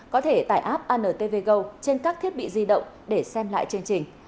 có thể tải app antv go trên các thiết bị di động để xem lại chương trình